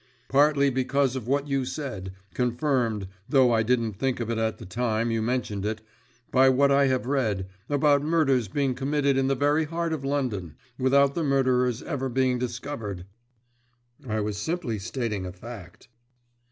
"Partly because of what you said, confirmed though I didn't think of it at the time you mentioned it by what I have read, about murders being committed in the very heart of London, without the murderers ever being discovered." "I was simply stating a fact."